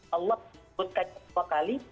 allah berkata dua kali